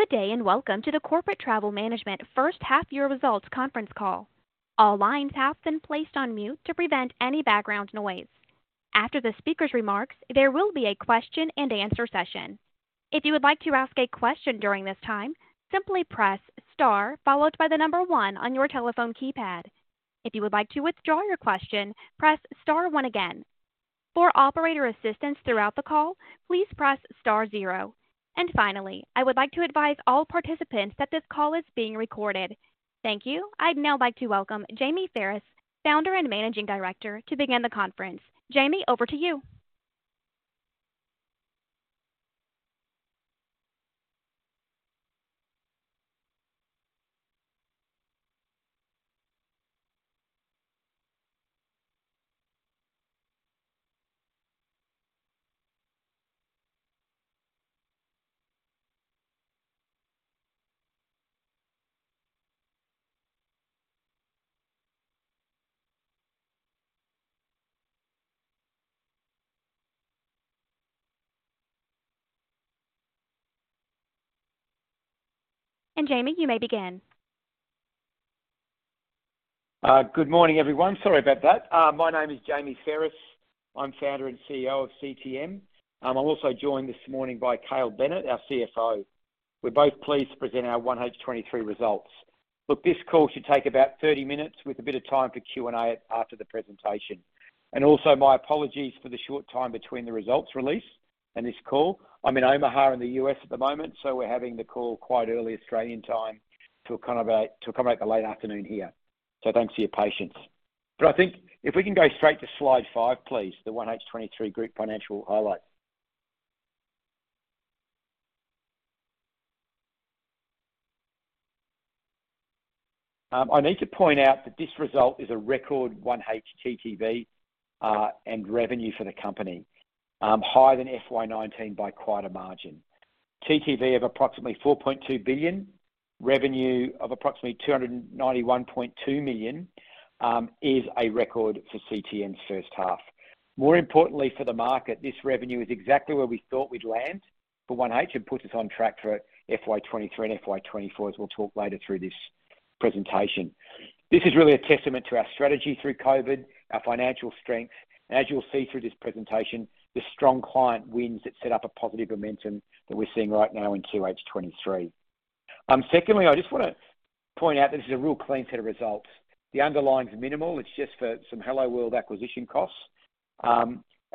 Good day and welcome to the Corporate Travel Management first half year results conference call. All lines have been placed on mute to prevent any background noise. After the speaker's remarks, there will be a question and answer session. If you would like to ask a question during this time, simply press star followed by the number one on your telephone keypad. If you would like to withdraw your question, press star one again. For operator assistance throughout the call, please press star zero. Finally, I would like to advise all participants that this call is being recorded. Thank you. I'd now like to welcome Jamie Pherous, Founder and Managing Director, to begin the conference. Jamie, over to you. Jamie, you may begin. Good morning, everyone. Sorry about that. My name is Jamie Pherous. I'm Founder and CEO of CTM. I'm also joined this morning by Cale Bennett, our CFO. We're both pleased to present our 1H 2023 results. Look, this call should take about 30 minutes with a bit of time for Q&A after the presentation. Also my apologies for the short time between the results release and this call. I'm in Omaha, in the U.S. at the moment, we're having the call quite early Australian time to kind of, to accommodate the late afternoon here. Thanks for your patience. I think if we can go straight to slide five, please. The 1H 2023 group financial highlights. I need to point out that this result is a record 1H TTV and revenue for the company, higher than FY 2019 by quite a margin. TTV of approximately 4.2 billion, revenue of approximately 291.2 million is a record for CTM's first half. More importantly for the market, this revenue is exactly where we thought we'd land for 1H and puts us on track for FY 2023 and FY 2024, as we'll talk later through this presentation. This is really a testament to our strategy through COVID, our financial strength, and as you'll see through this presentation, the strong client wins that set up a positive momentum that we're seeing right now in 2H 2023. Secondly, I just wanna point out this is a real clean set of results. The underlying is minimal. It's just for some Helloworld acquisition costs.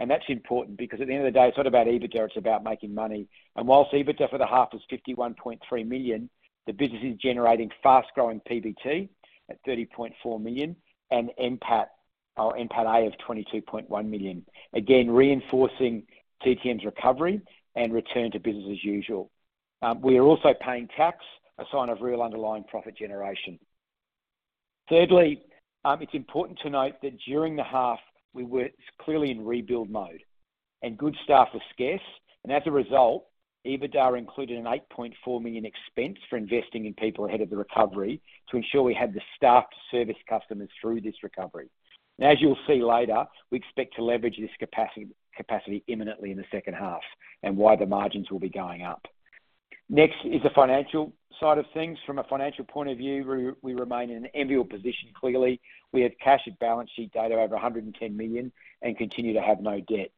That's important because at the end of the day, it's not about EBITDA, it's about making money. Whilst EBITDA for the 1/2 is 51.3 million, the business is generating fast-growing PBT at 30.4 million and NPATA of 22.1 million. Again, reinforcing CTM's recovery and return to business as usual. We are also paying tax, a sign of real underlying profit generation. Thirdly, it's important to note that during the half we were clearly in rebuild mode and good staff was scarce. As a result, EBITDA included an 8.4 million expense for investing in people ahead of the recovery to ensure we had the staff to service customers through this recovery. As you'll see later, we expect to leverage this capacity imminently in the second half, why the margins will be going up. Next is the financial side of things. From a financial point of view, we remain in an enviable position. Clearly, we have cash and balance sheet data over 110 million and continue to have no debt.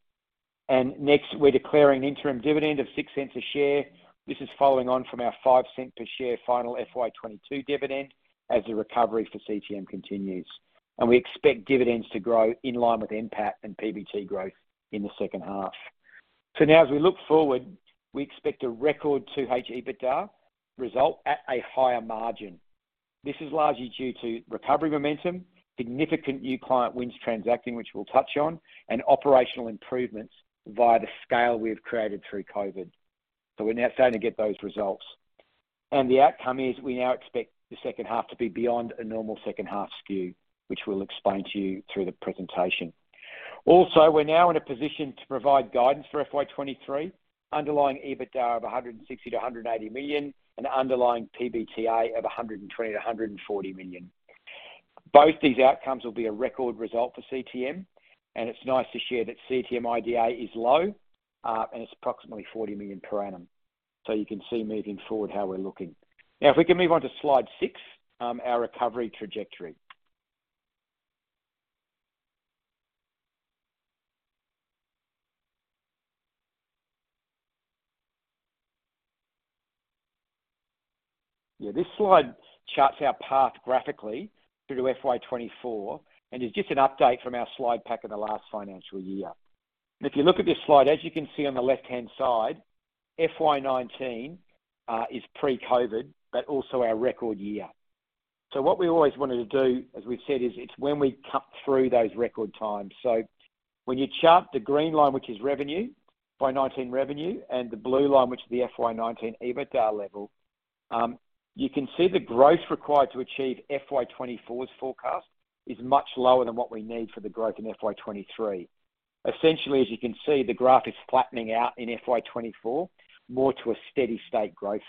Next, we're declaring interim dividend of 0.06 A share. This is following on from our 0.05 Per share final FY 2022 dividend as the recovery for CTM continues. We expect dividends to grow in line with NPAT and PBT growth in the second half. Now as we look forward, we expect a record 2H EBITDA result at a higher margin. This is largely due to recovery momentum, significant new client wins transacting, which we'll touch on, and operational improvements via the scale we've created through COVID. We're now starting to get those results. The outcome is we now expect the second half to be beyond a normal second half skew, which we'll explain to you through the presentation. We're now in a position to provide guidance for FY 2023, underlying EBITDA of 160 million-180 million and underlying PBTA of 120 million-140 million. Both these outcomes will be a record result for CTM, and it's nice to share that CTM D&A is low, and it's approximately 40 million per annum. You can see moving forward how we're looking. If we can move on to slide six, our recovery trajectory. Yeah, this slide charts our path graphically through to FY 2024, is just an update from our slide pack in the last financial year. If you look at this slide, as you can see on the left-hand side, FY 2019 is pre-COVID, also our record year. What we always wanted to do, as we've said, is it's when we cut through those record times. When you chart the green line, which is revenue, FY 2019 revenue, and the blue line, which is the FY 2019 EBITDA level, you can see the growth required to achieve FY 2024's forecast is much lower than what we need for the growth in FY 2023. Essentially, as you can see, the graph is flattening out in FY 2024, more to a steady state growth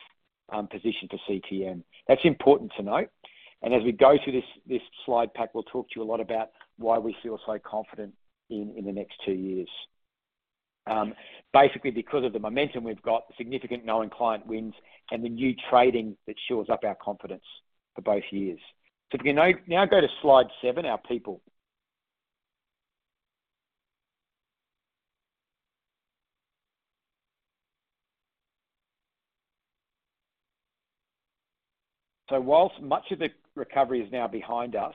position for CTM. That's important to note. As we go through this slide pack, we will talk to you a lot about why we feel so confident in the next two years. Basically because of the momentum we've got, significant knowing client wins and the new trading that shores up our confidence for both years. If you now go to slide seven, our people. Whilst much of the recovery is now behind us,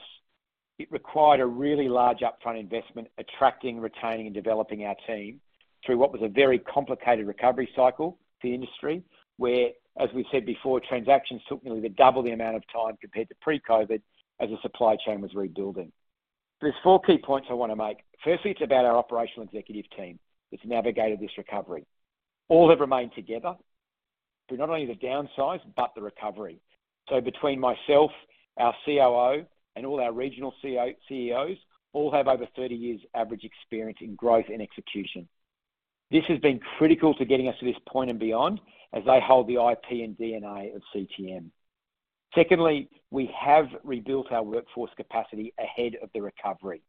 it required a really large upfront investment, attracting, retaining, and developing our team through what was a very complicated recovery cycle for the industry, where, as we said before, transactions took nearly double the amount of time compared to pre-COVID as the supply chain was rebuilding. There's four key points I wanna make. Firstly, it's about our operational executive team that's navigated this recovery. All have remained together through not only the downsize but the recovery. Between myself, our COO, and all our regional CEOs, all have over 30 years average experience in growth and execution. This has been critical to getting us to this point and beyond as they hold the IP and DNA of CTM. Secondly, we have rebuilt our workforce capacity ahead of the recovery.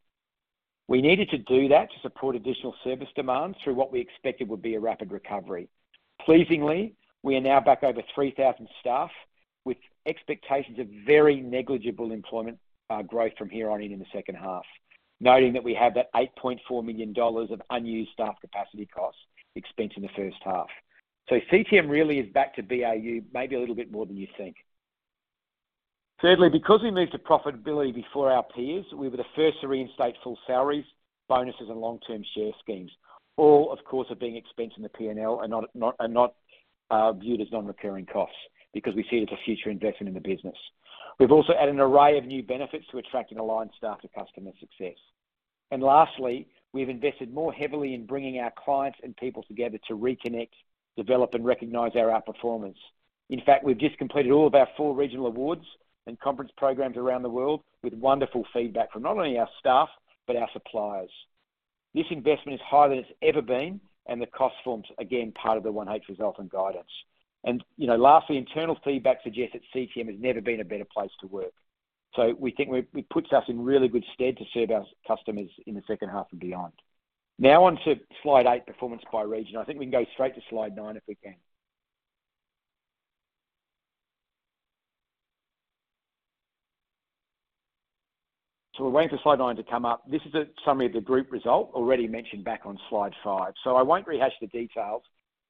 We needed to do that to support additional service demands through what we expected would be a rapid recovery. Pleasingly, we are now back over 3,000 staff with expectations of very negligible employment growth from here on in the second half. Noting that we have that 8.4 million dollars of unused staff capacity costs expensed in the first half. CTM really is back to BAU, maybe a little bit more than you think. Thirdly, because we moved to profitability before our peers, we were the first to reinstate full salaries, bonuses, and long-term share schemes. All, of course, are being expensed in the P&L and not viewed as non-recurring costs because we see it as a future investment in the business. We've also added an array of new benefits to attract and align staff to customer success. And lastly, we've invested more heavily in bringing our clients and people together to reconnect, develop, and recognize our outperformance. In fact, we've just completed all of our four regional awards and conference programs around the world with wonderful feedback from not only our staff, but our suppliers. This investment is higher than it's ever been, and the cost forms again, part of the 1H result and guidance. You know, lastly, internal feedback suggests that CTM has never been a better place to work. We think it puts us in really good stead to serve our customers in the second half and beyond. Now on to slide eight, performance by region. I think we can go straight to slide nine if we can. We're waiting for slide nine to come up. This is a summary of the group result already mentioned back on slide five. I won't rehash the details,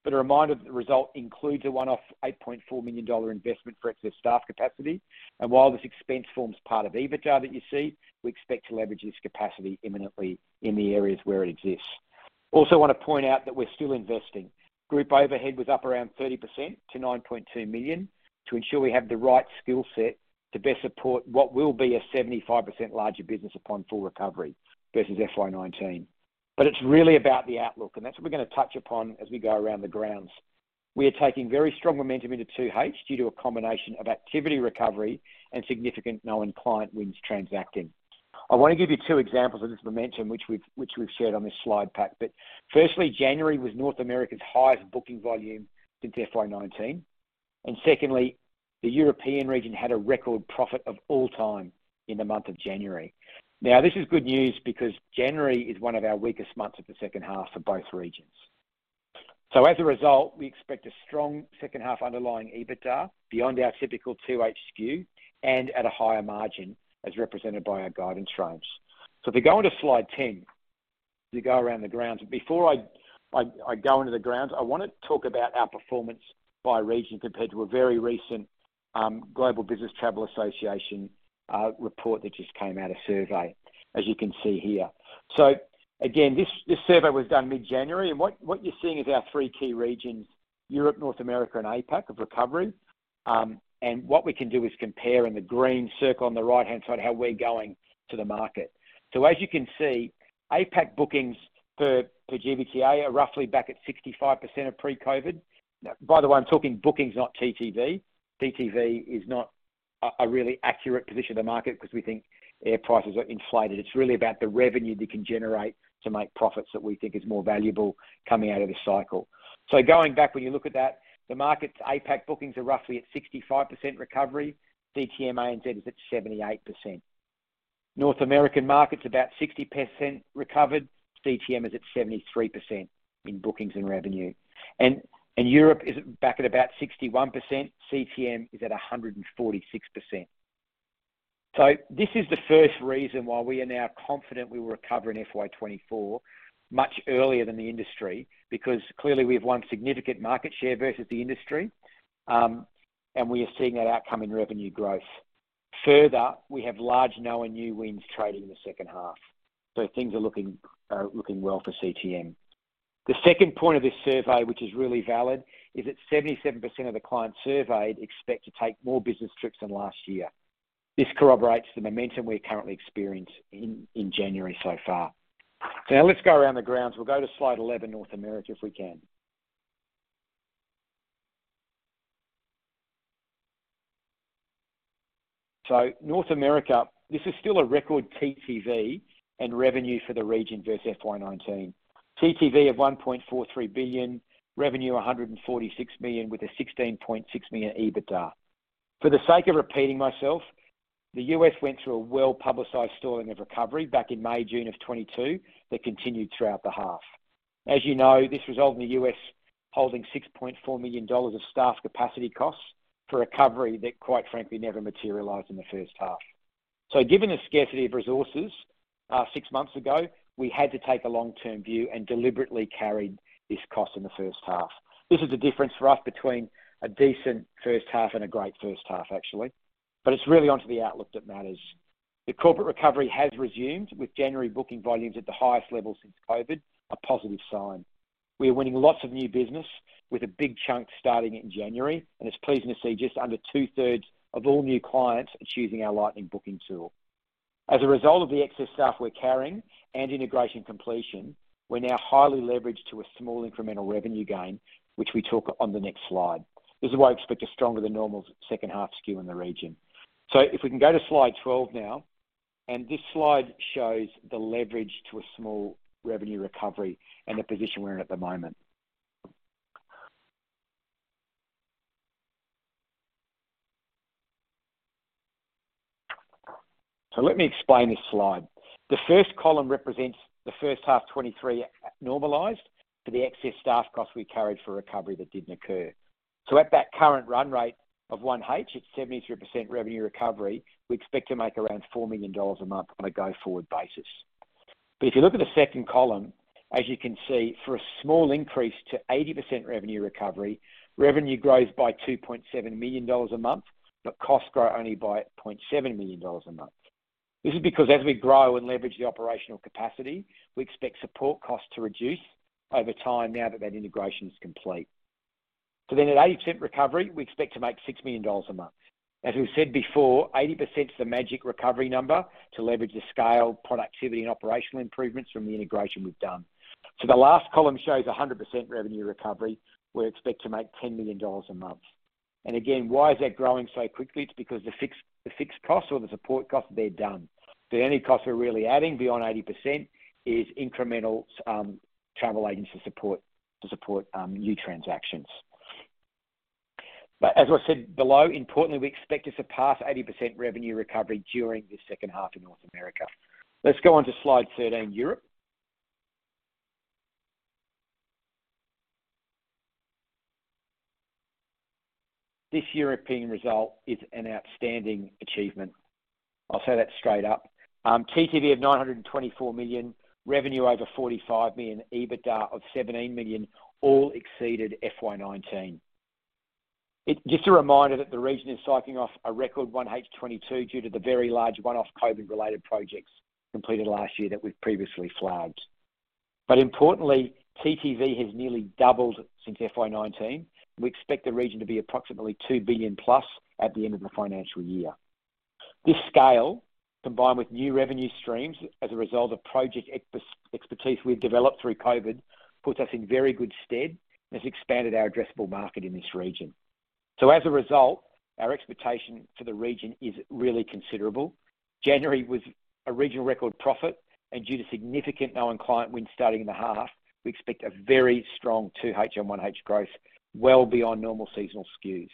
but a reminder that the result includes a one-off 8.4 million dollar investment for excess staff capacity. While this expense forms part of EBITDA that you see, we expect to leverage this capacity imminently in the areas where it exists. Also wanna point out that we're still investing. Group overhead was up around 30% to 9.2 million to ensure we have the right skill set to best support what will be a 75% larger business upon full recovery versus FY 2019. It's really about the outlook, and that's what we're gonna touch upon as we go around the grounds. We are taking very strong momentum into 2H due to a combination of activity recovery and significant known client wins transacting. I wanna give you two examples of this momentum, which we've shared on this slide pack. Firstly, January was North America's highest booking volume since FY 2019. Secondly, the European region had a record profit of all time in the month of January. Now, this is good news because January is one of our weakest months of the second half for both regions. As a result, we expect a strong second half underlying EBITDA beyond our typical 2H skew and at a higher margin as represented by our guidance frames. If we go on to slide 10 to go around the grounds. Before I go into the grounds, I want to talk about our performance by region compared to a very recent Global Business Travel Association report that just came out, a survey, as you can see here. Again, this survey was done mid-January, and what you're seeing is our three key regions, Europe, North America, and APAC of recovery. What we can do is compare in the green circle on the right-hand side, how we're going to the market. As you can see, APAC bookings for GBTA are roughly back at 65% of pre-COVID. By the way, I'm talking bookings, not TTV. TTV is not a really accurate position of the market 'cause we think air prices are inflated. It's really about the revenue that can generate to make profits that we think is more valuable coming out of this cycle. Going back, when you look at that, the markets APAC bookings are roughly at 65% recovery. CTM/ANZ is at 78%. North American market's about 60% recovered. CTM is at 73% in bookings and revenue. Europe is back at about 61%. CTM is at 146%. This is the first reason why we are now confident we will recover in FY 2024 much earlier than the industry because clearly we have won significant market share versus the industry, and we are seeing that outcome in revenue growth. Further, we have large know and new wins trading in the second half. Things are looking well for CTM. The second point of this survey, which is really valid, is that 77% of the clients surveyed expect to take more business trips than last year. This corroborates the momentum we're currently experiencing in January so far. Now let's go around the grounds. We'll go to slide 11, North America, if we can. North America, this is still a record TTV and revenue for the region versus FY 2019. TTV of $1.43 billion, revenue $146 million with a $16.6 million EBITDA. For the sake of repeating myself. The U.S. went through a well-publicized stalling of recovery back in May, June of 2022 that continued throughout the half. As you know, this result in the U.S. holding $6.4 million of staff capacity costs for recovery that quite frankly, never materialized in the first half. Given the scarcity of resources, six months ago, we had to take a long-term view and deliberately carried this cost in the first half. This is the difference for us between a decent first half and a great first half, actually. It's really onto the outlook that matters. The corporate recovery has resumed, with January booking volumes at the highest level since COVID, a positive sign. We are winning lots of new business with a big chunk starting in January, and it's pleasing to see just under two-thirds of all new clients choosing our Lightning booking tool. As a result of the excess staff we're carrying and integration completion, we're now highly leveraged to a small incremental revenue gain, which we talk on the next slide. This is why I expect a stronger than normal second half skew in the region. If we can go to slide 12 now, and this slide shows the leverage to a small revenue recovery and the position we're in at the moment. Let me explain this slide. The first column represents the 1H 2023 normalized for the excess staff costs we carried for recovery that didn't occur. At that current run rate of 1H at 73% revenue recovery, we expect to make around $4 million a month on a go-forward basis. If you look at the second column, as you can see, for a small increase to 80% revenue recovery, revenue grows by 2.7 million dollars a month, but costs grow only by 0.7 million dollars a month. This is because as we grow and leverage the operational capacity, we expect support costs to reduce over time now that integration is complete. At 80% recovery, we expect to make 6 million dollars a month. As we've said before, 80% is the magic recovery number to leverage the scale, productivity, and operational improvements from the integration we've done. The last column shows 100% revenue recovery. We expect to make 10 million dollars a month. Again, why is that growing so quickly? It's because the fixed costs or the support costs, they're done. The only cost we're really adding beyond 80% is incremental, travel agency support to support new transactions. As I said below, importantly, we expect to surpass 80% revenue recovery during the second half in North America. Let's go on to slide 13, Europe. This European result is an outstanding achievement. I'll say that straight up. TTV of 924 million, revenue over 45 million, EBITDA of 17 million, all exceeded FY 2019. Just a reminder that the region is cycling off a record 1H 2022 due to the very large one-off COVID-related projects completed last year that we've previously flagged. Importantly, TTV has nearly doubled since FY 2019. We expect the region to be approximately 2+ billion at the end of the financial year. This scale, combined with new revenue streams as a result of project expertise we've developed through COVID, puts us in very good stead and has expanded our addressable market in this region. As a result, our expectation for the region is really considerable. January was a regional record profit, and due to significant known client wins starting in the half, we expect a very strong 2H on 1H growth, well beyond normal seasonal skews.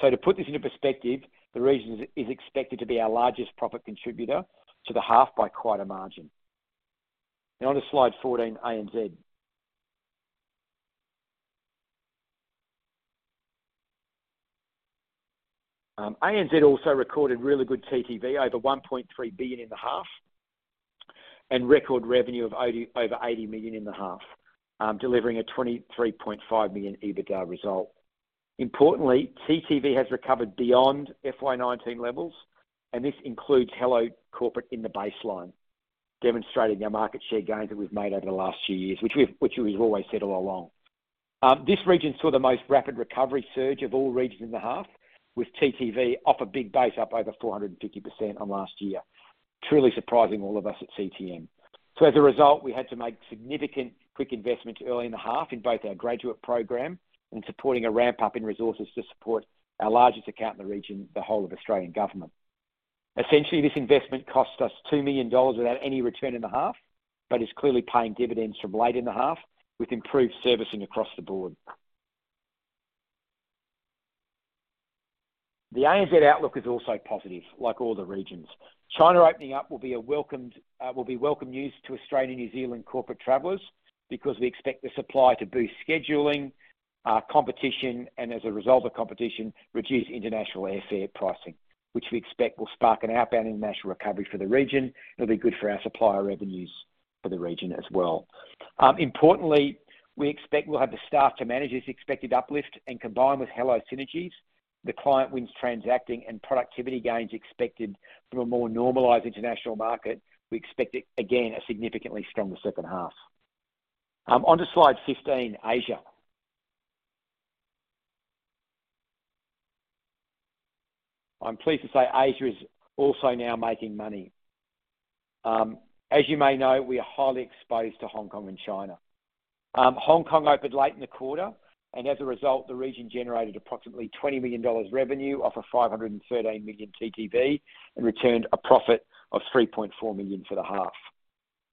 To put this into perspective, the region is expected to be our largest profit contributor to the half by quite a margin. Now on to slide 14, ANZ. ANZ also recorded really good TTV over 1.3 billion in the half, and record revenue of over 80 million in the half, delivering a 23.5 million EBITDA result. Importantly, TTV has recovered beyond FY 2019 levels, and this includes Helloworld Corporate in the baseline, demonstrating our market share gains that we've made over the last few years, which we've always said all along. This region saw the most rapid recovery surge of all regions in the half with TTV off a big base up over 450% on last year. Truly surprising all of us at CTM. As a result, we had to make significant quick investments early in the half in both our graduate program and supporting a ramp-up in resources to support our largest account in the region, the Whole of Australian Government. Essentially, this investment cost us 2 million dollars without any return in the half, but is clearly paying dividends from late in the half with improved servicing across the board. The ANZ outlook is also positive, like all the regions. China opening up will be a welcomed, will be welcome news to Australia, New Zealand corporate travelers because we expect the supply to boost scheduling, competition, and as a result of competition, reduce international airfare pricing, which we expect will spark an outbound international recovery for the region. It'll be good for our supplier revenues for the region as well. Importantly, we expect we'll have the staff to manage this expected uplift. Combined with Helloworld synergies, the client wins transacting and productivity gains expected from a more normalized international market, we expect, again, a significantly stronger second half. Onto slide 15, Asia. I'm pleased to say Asia is also now making money. As you may know, we are highly exposed to Hong Kong and China. Hong Kong opened late in the quarter, and as a result, the region generated approximately 20 million dollars revenue off of 513 million TTV and returned a profit of 3.4 million for the half.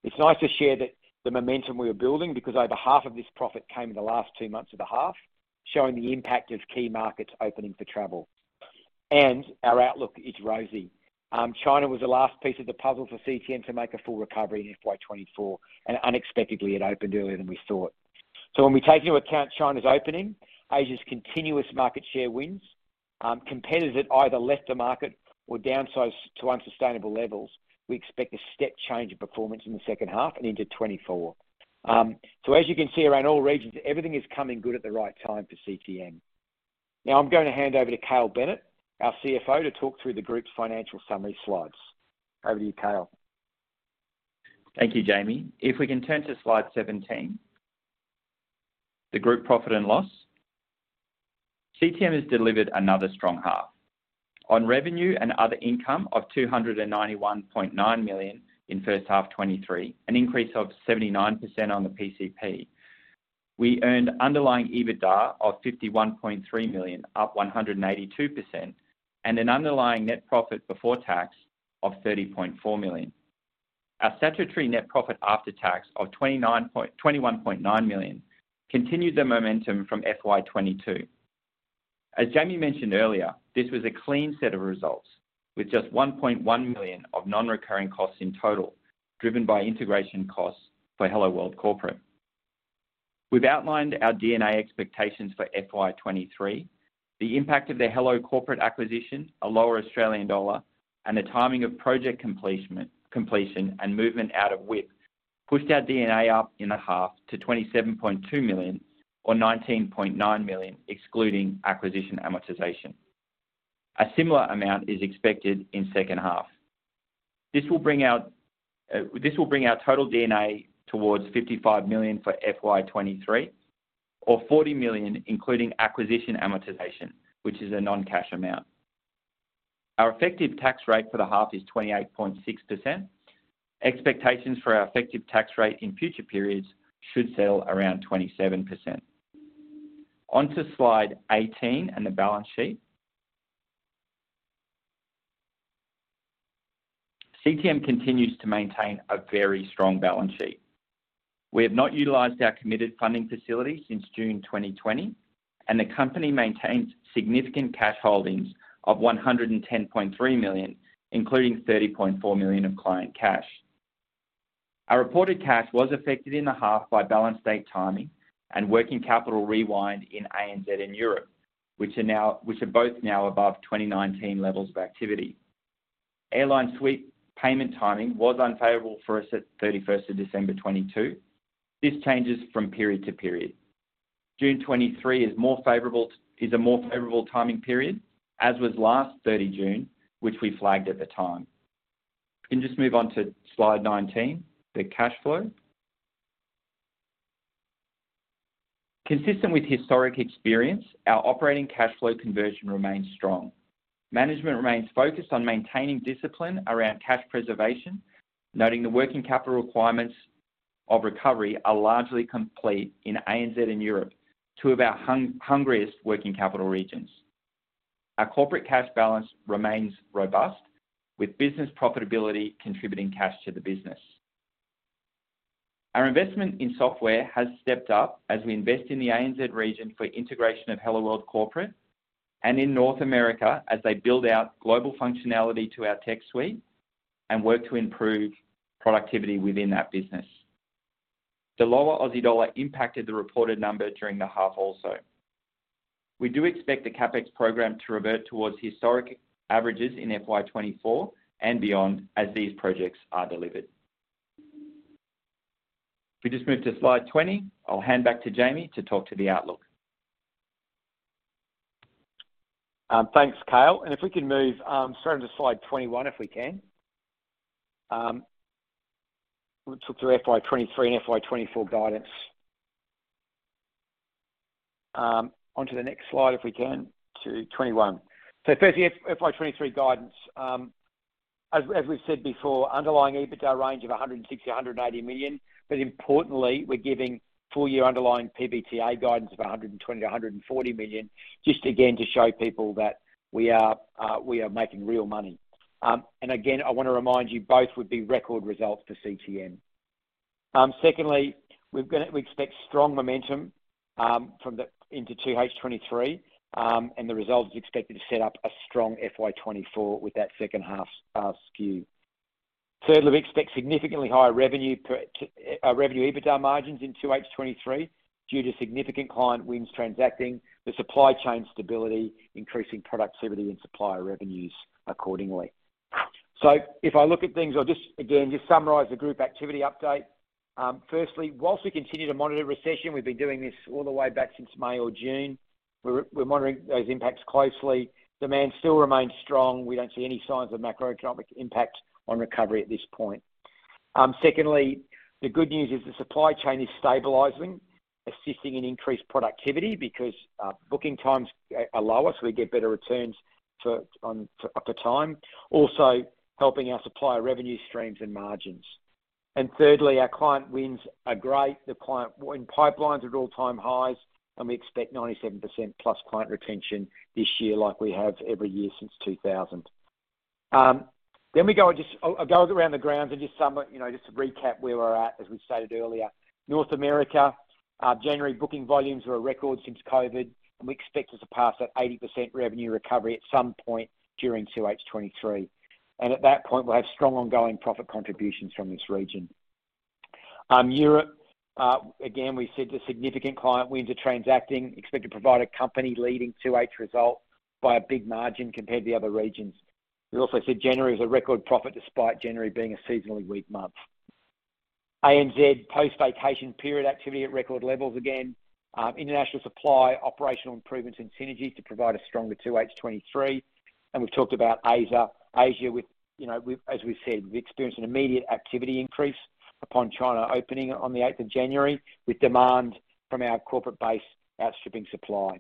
It's nice to share that the momentum we are building because over half of this profit came in the last two months of the half, showing the impact of key markets opening for travel. Our outlook is rosy. China was the last piece of the puzzle for CTM to make a full recovery in FY 2024, and unexpectedly, it opened earlier than we thought. When we take into account China's opening, Asia's continuous market share wins, competitors that either left the market or downsized to unsustainable levels, we expect a step change in performance in the second half and into 2024. As you can see around all regions, everything is coming good at the right time for CTM. Now I'm gonna hand over to Cale Bennett, our CFO, to talk through the group's financial summary slides. Over to you, Cale. Thank you, Jamie. If we can turn to slide 17, the group profit and loss. CTM has delivered another strong half. On revenue and other income of 291.9 million in 1H 2023, an increase of 79% on the PCP. We earned underlying EBITDA of 51.3 million, up 182%, and an underlying net profit before tax of 30.4 million. Our statutory net profit after tax of 21.9 million continued the momentum from FY 2022. As Jamie mentioned earlier, this was a clean set of results, with just 1.1 million of non-recurring costs in total, driven by integration costs for Helloworld Corporate. We've outlined our D&A expectations for FY 2023. The impact of the Helloworld Corporate acquisition, a lower Australian dollar, and the timing of project completion and movement out of width pushed our D&A up in the half to 27.2 million, or 19.9 million excluding acquisition amortization. A similar amount is expected in second half. This will bring our total D&A towards 55 million for FY 2023 or 40 million including acquisition amortization, which is a non-cash amount. Our effective tax rate for the half is 28.6%. Expectations for our effective tax rate in future periods should settle around 27%. On to slide 18 and the balance sheet. CTM continues to maintain a very strong balance sheet. We have not utilized our committed funding facility since June 2020. The company maintains significant cash holdings of 110.3 million, including 30.4 million of client cash. Our reported cash was affected in the half by balance date timing and working capital rewind in ANZ and Europe, which are both now above 2019 levels of activity. Airline sweep payment timing was unfavorable for us at 31st of December 2022. This changes from period to period. June 2023 is a more favorable timing period, as was last 30 June, which we flagged at the time. You can just move on to slide 19, the cash flow. Consistent with historic experience, our operating cash flow conversion remains strong. Management remains focused on maintaining discipline around cash preservation, noting the working capital requirements of recovery are largely complete in ANZ and Europe, two of our hungriest working capital regions. Our corporate cash balance remains robust, with business profitability contributing cash to the business. Our investment in software has stepped up as we invest in the ANZ region for integration of Helloworld Corporate and in North America as they build out global functionality to our tech suite and work to improve productivity within that business. The lower Aussie dollar impacted the reported number during the half also. We do expect the CapEx program to revert towards historic averages in FY 2024 and beyond as these projects are delivered. If we just move to slide 20, I'll hand back to Jamie to talk to the outlook. Thanks, Cale. If we can move straight on to slide 21, if we can. We'll talk through FY 2023 and FY 2024 guidance. Onto the next slide, if we can, to 21. Firstly, FY 2023 guidance. As we've said before, underlying EBITDA range of 160 million-180 million, but importantly, we're giving full year underlying PBTA guidance of 120 million-140 million, just again to show people that we are, we are making real money. Again, I wanna remind you both would be record results for CTM. Secondly, we expect strong momentum into 2H 2023, and the result is expected to set up a strong FY 2024 with that second half skew. Thirdly, we expect significantly higher revenue per revenue EBITDA margins in 2H 2023 due to significant client wins transacting, the supply chain stability, increasing productivity, and supplier revenues accordingly. If I look at things, I'll just summarize the group activity update. Firstly, while we continue to monitor recession, we've been doing this all the way back since May or June. We're monitoring those impacts closely. Demand still remains strong. We don't see any signs of macroeconomic impact on recovery at this point. Secondly, the good news is the supply chain is stabilizing, assisting in increased productivity because booking times are lower, so we get better returns at the time. Also, helping our supplier revenue streams and margins. Thirdly, our client wins are great. The client win pipelines at all-time highs, we expect 97%+ client retention this year like we have every year since 2000. I'll go around the grounds and just sum up, you know, just to recap where we're at, as we stated earlier. North America, January booking volumes were a record since COVID, we expect us to pass that 80% revenue recovery at some point during 2H 2023. At that point, we'll have strong ongoing profit contributions from this region. Europe, again, we've seen the significant client wins are transacting, expect to provide a company leading 2H result by a big margin compared to the other regions. We also said January was a record profit despite January being a seasonally weak month. ANZ post-vacation period activity at record levels again. International supply, operational improvements and synergies to provide a stronger 2H 2023. We've talked about Asia with, you know, with, as we've said, we've experienced an immediate activity increase upon China opening on the 8th of January with demand from our corporate base, our shipping supply.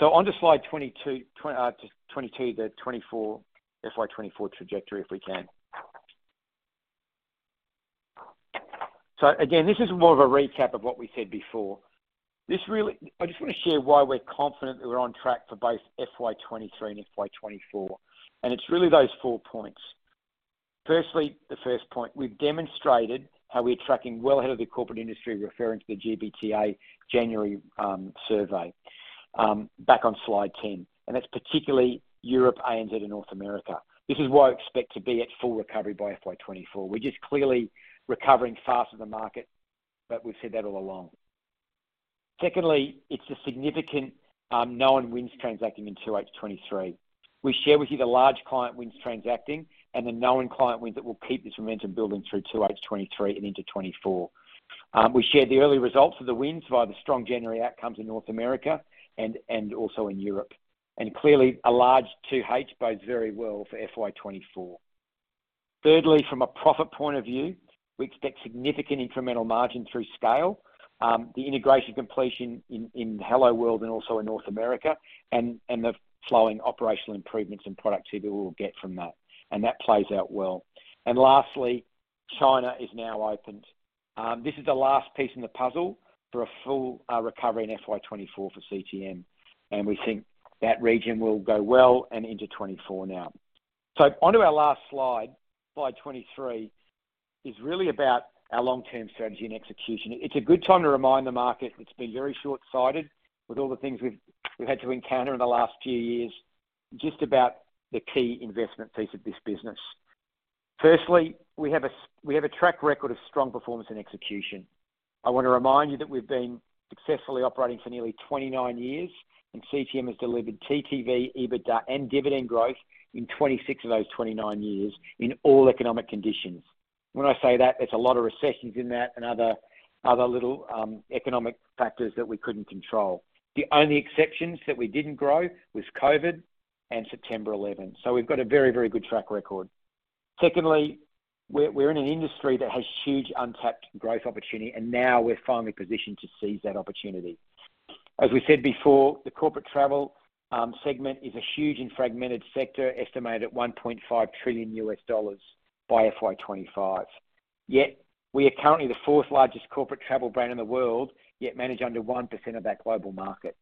Onto slide 22 to 24, FY 2024 trajectory, if we can. Again, this is more of a recap of what we said before. I just want to share why we're confident that we're on track for both FY 2023 and FY 2024. It's really those four points. Firstly, the first point, we've demonstrated how we're tracking well ahead of the corporate industry, referring to the GBTA January survey, back on slide 10. That's particularly Europe, ANZ, and North America. This is why we expect to be at full recovery by FY 2024. We're just clearly recovering faster than market. We've said that all along. Secondly, it's a significant known wins transacting in 2H 2023. We share with you the large client wins transacting and the known client win that will keep this momentum building through 2H 2023 and into 2024. We shared the early results of the wins via the strong January outcomes in North America and also in Europe. Clearly, a large 2H bodes very well for FY 2024. Thirdly, from a profit point of view, we expect significant incremental margin through scale. The integration completion in Helloworld and also in North America and the flowing operational improvements in productivity we will get from that. That plays out well. Lastly, China is now opened. This is the last piece in the puzzle for a full recovery in FY 2024 for CTM. We think that region will go well and into 2024 now. Onto our last slide 23, is really about our long-term strategy and execution. It's a good time to remind the market it's been very short-sighted with all the things we've had to encounter in the last few years, just about the key investment piece of this business. Firstly, we have a track record of strong performance and execution. I want to remind you that we've been successfully operating for nearly 29 years, and CTM has delivered TTV, EBITDA and dividend growth in 26 years of those 29 years in all economic conditions. When I say that, there's a lot of recessions in that and other little economic factors that we couldn't control. The only exceptions that we didn't grow was COVID and 9/11. We've got a very good track record. Secondly, we're in an industry that has huge untapped growth opportunity, and now we're finally positioned to seize that opportunity. As we said before, the corporate travel segment is a huge and fragmented sector, estimated at $1.5 trillion by FY 2025. Yet we are currently the fourth largest corporate travel brand in the world, yet manage under 1% of that global market.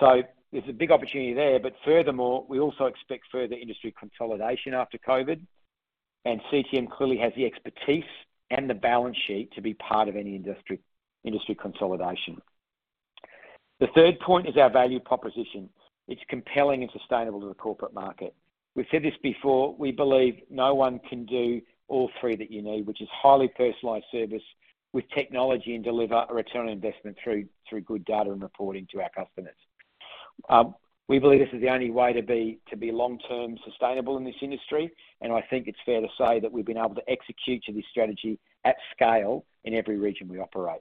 There's a big opportunity there. Furthermore, we also expect further industry consolidation after COVID, and CTM clearly has the expertise and the balance sheet to be part of any industry consolidation. The third point is our value proposition. It's compelling and sustainable to the corporate market. We've said this before, we believe no one can do all three that you need, which is highly personalized service with technology, and deliver a return on investment through good data and reporting to our customers. We believe this is the only way to be long-term sustainable in this industry, I think it's fair to say that we've been able to execute to this strategy at scale in every region we operate.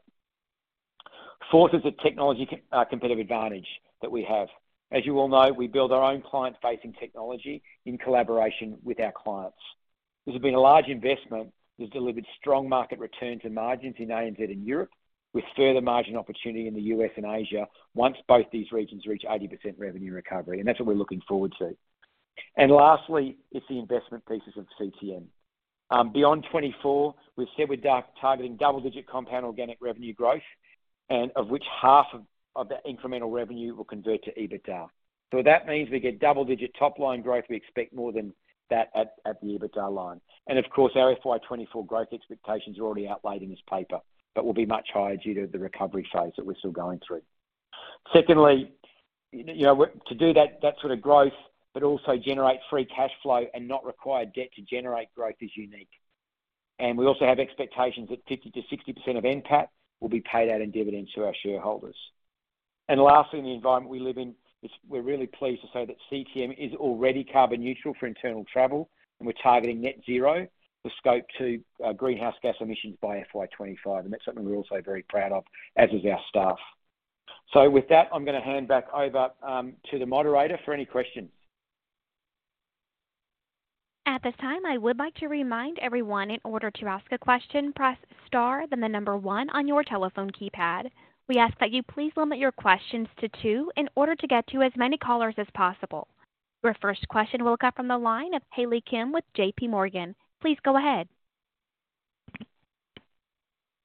Fourth is the technology competitive advantage that we have. As you all know, we build our own client-facing technology in collaboration with our clients. This has been a large investment that's delivered strong market returns and margins in ANZ and Europe, with further margin opportunity in the U.S. and Asia once both these regions reach 80% revenue recovery. That's what we're looking forward to. Lastly, it's the investment pieces of CTM. Beyond 2024, we've said we're targeting double-digit compound organic revenue growth and of which 1/2 of the incremental revenue will convert to EBITDA. That means we get double-digit top-line growth, we expect more than that at the EBITDA line. Of course, our FY 2024 growth expectations are already outlined in this paper, but will be much higher due to the recovery phase that we're still going through. Secondly, you know, to do that sort of growth, but also generate free cash flow and not require debt to generate growth is unique. We also have expectations that 50%-60% of NPAT will be paid out in dividends to our shareholders. Lastly, in the environment we live in, is we're really pleased to say that CTM is already carbon neutral for internal travel, and we're targeting net zero for Scope two greenhouse gas emissions by FY 2025. That's something we're also very proud of, as is our staff. With that, I'm gonna hand back over to the moderator for any questions. At this time, I would like to remind everyone in order to ask a question, press star then the number one on your telephone keypad. We ask that you please limit your questions to two in order to get to as many callers as possible. Your first question will come from the line of Hayley Kim with JPMorgan. Please go ahead.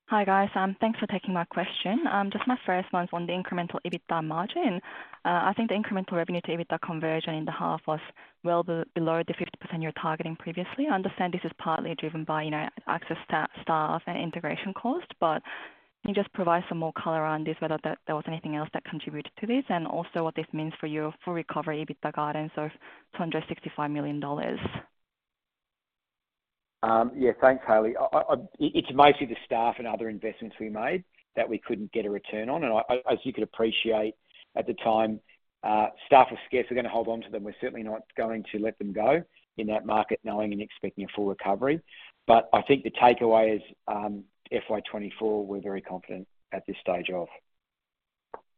Hi, guys. Thanks for taking my question. Just my first one on the incremental EBITDA margin. I think the incremental revenue to EBITDA conversion in the half was well below the 50% you were targeting previously. I understand this is partly driven by, you know, access staff and integration costs, but can you just provide some more color on this, whether there was anything else that contributed to this? Also what this means for your full recovery EBITDA guidance of 265 million dollars. Thanks, Hayley. It's mostly the staff and other investments we made that we couldn't get a return on. I, as you could appreciate at the time, staff were scarce. We're gonna hold on to them. We're certainly not going to let them go in that market, knowing and expecting a full recovery. I think the takeaway is, FY 2024, we're very confident at this stage of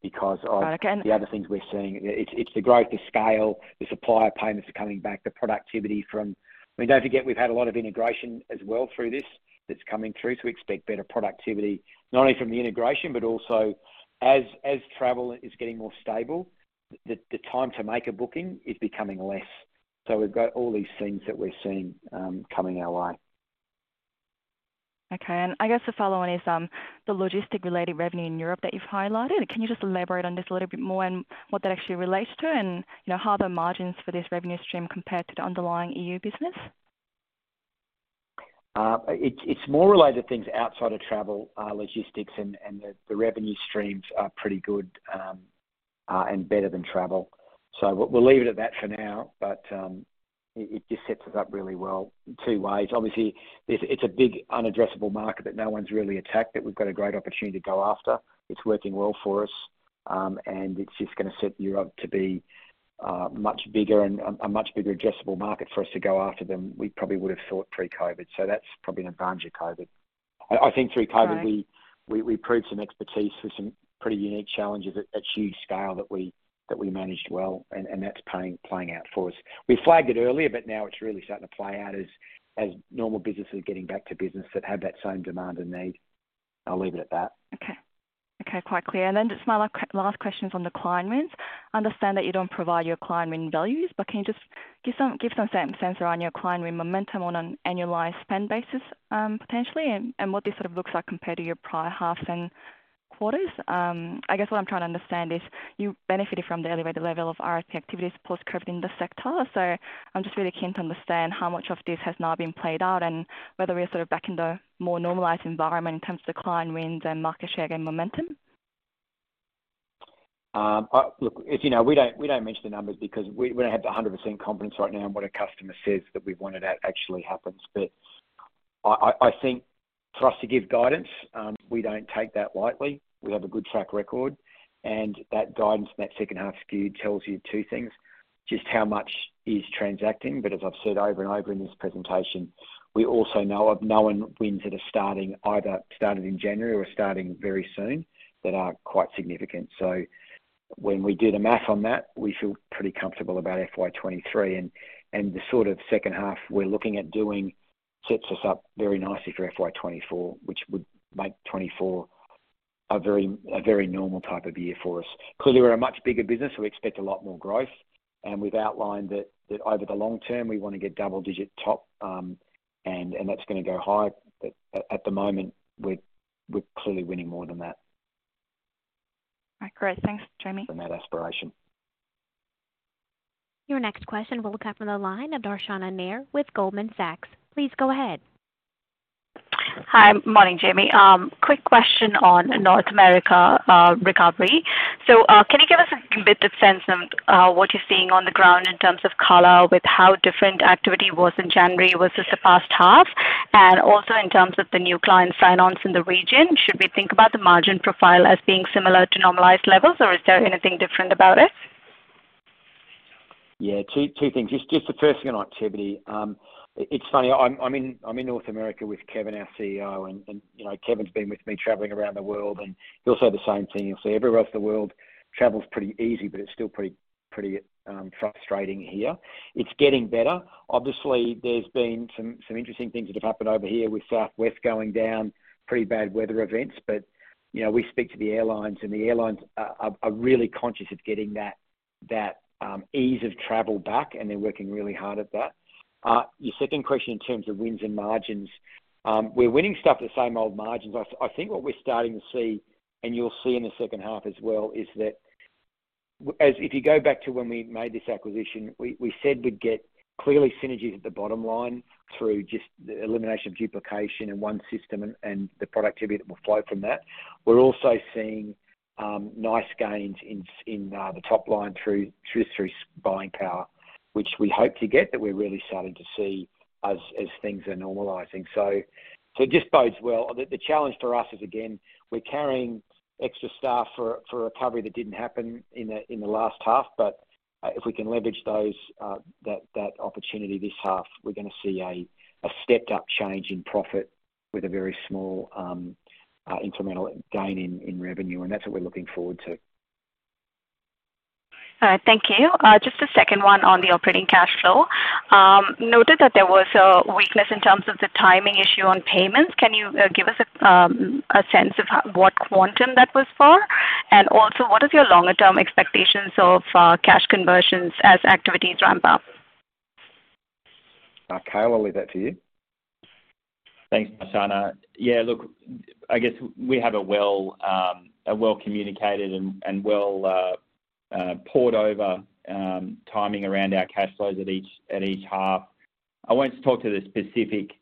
because of- Okay. The other things we're seeing. It's the growth to scale, the supplier payments are coming back, the productivity from... I mean, don't forget we've had a lot of integration as well through this that's coming through. Expect better productivity, not only from the integration, but also as travel is getting more stable, the time to make a booking is becoming less. We've got all these things that we're seeing coming our way. Okay. I guess the follow on is, the logistic related revenue in Europe that you've highlighted. Can you just elaborate on this a little bit more and what that actually relates to? You know, how are the margins for this revenue stream compare to the underlying EU business? It's more related to things outside of travel, logistics and the revenue streams are pretty good, and better than travel. We'll leave it at that for now, but it just sets us up really well in two ways. Obviously, it's a big unaddressable market that no one's really attacked, that we've got a great opportunity to go after. It's working well for us, and it's just gonna set Europe to be much bigger and a much bigger addressable market for us to go after than we probably would have thought pre-COVID. That's probably an advantage of COVID. I think through COVID- Right. We proved some expertise for some pretty unique challenges at huge scale that we managed well, and that's playing out for us. We flagged it earlier. Now it's really starting to play out as normal businesses getting back to business that have that same demand and need. I'll leave it at that. Okay. Okay, quite clear. Then just my last question is on the client wins. I understand that you don't provide your client win values, but can you just give some sense around your client win momentum on an annualized spend basis, potentially, and what this sort of looks like compared to your prior halves and quarters? I guess what I'm trying to understand is you benefited from the elevated level of RFP activity post COVID in the sector. I'm just really keen to understand how much of this has now been played out and whether we're sort of back in the more normalized environment in terms of the client wins and market share gain momentum. Look, as you know, we don't mention the numbers because we don't have the 100% confidence right now in what a customer says that we've won it out actually happens. I think for us to give guidance, we don't take that lightly. We have a good track record, that guidance and that second half skew tells you two things, just how much is transacting. As I've said over and over in this presentation, we also know of known wins that are starting either started in January or starting very soon that are quite significant. When we do the math on that, we feel pretty comfortable about FY 2023 and the sort of second half we're looking at doing sets us up very nicely for FY 2024, which would make 2024 a very normal type of year for us. Clearly, we're a much bigger business, so we expect a lot more growth. We've outlined that over the long term, we wanna get double-digit top, and that's gonna go higher. At the moment, we're clearly winning more than that. All right, great. Thanks, Jamie. Than that aspiration. Your next question will come from the line of Darshana Nair with Goldman Sachs. Please go ahead. Hi. Morning, Jamie. Quick question on North America recovery. Can you give us a bit of sense on what you're seeing on the ground in terms of color with how different activity was in January versus the past half? In terms of the new client sign-ons in the region, should we think about the margin profile as being similar to normalized levels, or is there anything different about it? Yeah. Two things. Just the first thing on activity. It's funny. I'm in North America with Kevin, our CEO, and, you know, Kevin's been with me traveling around the world, and he'll say the same thing. He'll say everywhere else in the world, travel's pretty easy, but it's still pretty frustrating here. It's getting better. Obviously, there's been some interesting things that have happened over here with Southwest going down, pretty bad weather events. You know, we speak to the airlines, and the airlines are really conscious of getting that ease of travel back, and they're working really hard at that. Your second question in terms of wins and margins, we're winning stuff at the same old margins. I think what we're starting to see, and you'll see in the second half as well, is that if you go back to when we made this acquisition, we said we'd get clearly synergies at the bottom line through just the elimination of duplication in one system and the productivity that will flow from that. We're also seeing nice gains in the top line through buying power, which we hope to get, we're really starting to see as things are normalizing. It just bodes well. The challenge for us is, again, we're carrying extra staff for a recovery that didn't happen in the last half. If we can leverage those that opportunity this half, we're gonna see a stepped up change in profit with a very small incremental gain in revenue, and that's what we're looking forward to. All right. Thank you. Just a second one on the operating cash flow. Noted that there was a weakness in terms of the timing issue on payments. Can you give us a sense of what quantum that was for? Also, what is your longer term expectations of cash conversions as activities ramp up? Cale, I'll leave that to you. Thanks, Darshana. Yeah, look, I guess we have a well, a well-communicated and well poured over timing around our cash flows at each, at each half. I won't talk to the specific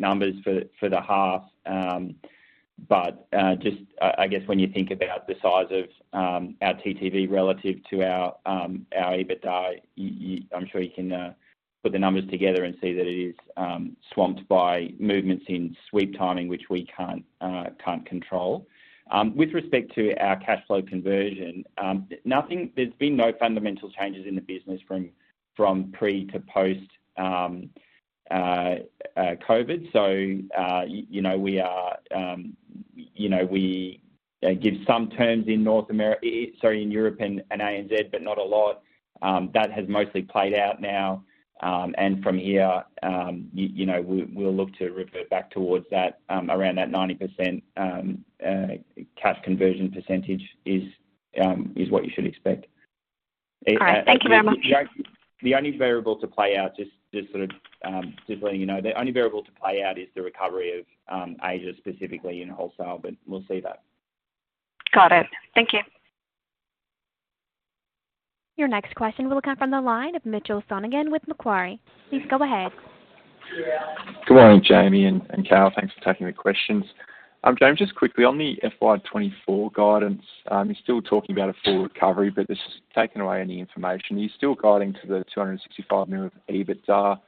numbers for the half, but just I guess when you think about the size of our TTV relative to our EBITDA, I'm sure you can put the numbers together and see that it is swamped by movements in sweep timing, which we can't control. With respect to our cash flow conversion, there's been no fundamental changes in the business from pre to post COVID. You know, we are, you know, we give some terms in Europe and ANZ, but not a lot. That has mostly played out now. From here, you know, we'll look to revert back towards that, around that 90%, cash conversion percentage is what you should expect. All right. Thank you very much. The only variable to play out, just sort of, just letting you know, the only variable to play out is the recovery of Asia, specifically in wholesale, but we'll see that. Got it. Thank you. Your next question will come from the line of Mitchell Sonogan with Macquarie. Please go ahead. Good morning, Jamie and Cale. Thanks for taking the questions. James, just quickly, on the FY 2024 guidance, you're still talking about a full recovery, but just taking away any information. You're still guiding to the 265 million of EBITDA,